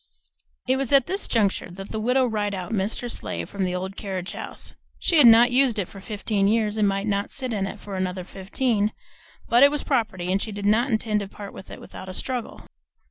It was at this juncture that the Widow Rideout missed her sleigh from the old carriage house. She had not used it for fifteen years and might not sit in it for another fifteen, but it was property, and she did not intend to part with it without a struggle.